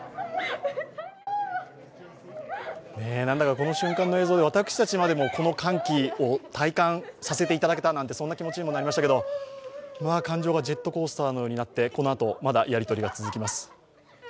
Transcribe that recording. なんだか、この瞬間の映像で私たちにもこの歓喜を体感させていただけたなんて、そんな気持ちにもなりましたけど感情がジェットコースターのようになって、このあとまだやり取りが続きます。